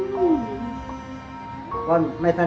กร้อนกร้อนแล้วค่ะ